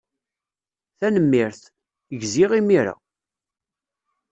Tanemmirt. Gziɣ imir-a.